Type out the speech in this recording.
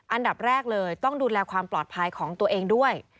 อันดับแรกเลยต้องดูแลความปลอดภัยของตัวเองด้วย